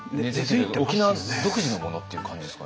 沖縄独自のものっていう感じですかね。